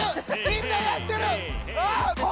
みんなやってる！